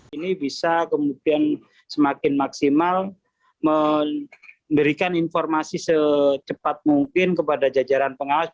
ini bisa kemudian semakin maksimal memberikan informasi secepat mungkin kepada jajaran pengawas